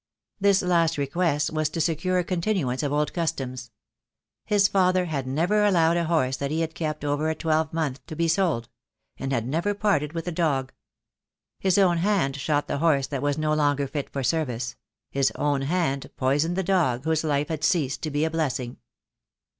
This last request was to secure a continuance of old customs. His father had never allowed a horse that he had kept over a twelvemonth to be sold; and had never parted with a dog. His own hand shot the horse that was no longer fit for service; his own hand poisoned the dog whose life had ceased to be a blessing.